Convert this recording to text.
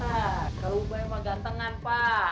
hah kalau ubay emang gantengan pak